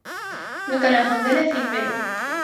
Նկարահանվել է ֆիլմերում։